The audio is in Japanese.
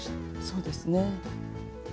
そうですね。